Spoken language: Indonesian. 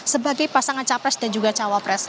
sebagai pasangan capres dan juga cawapres